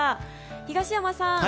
東山さん